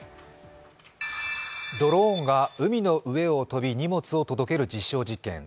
ドローンが海の上を飛び、荷物を届ける実証実験。